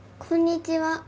こんにちは。